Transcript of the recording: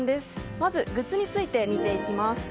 まずグッズについて見ていきます。